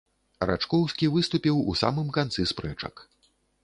Рачкоўскі выступіў у самым канцы спрэчак.